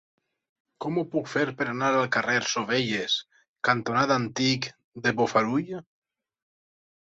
Com ho puc fer per anar al carrer Sovelles cantonada Antic de Bofarull?